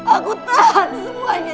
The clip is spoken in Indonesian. aku tahan semuanya